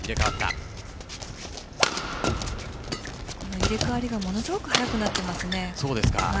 入れ替わりがものすごく速くなっていますね。